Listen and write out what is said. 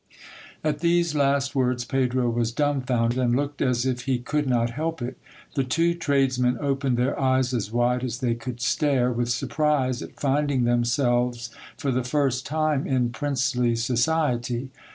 At these last words, Pedro was dumb founded, and looked as if he could not help it. The two tradesmen opened their eyes as wide as they could stare, with surprise at finding themselves for the first time in princely society.